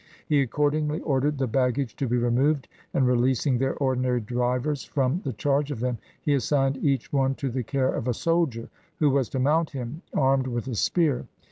He accordingly ordered the baggage to be removed, and, releasing their ordinary drivers from the charge of them, he assigned each one to the care of a soldier, who was to mount him, armed with a spear.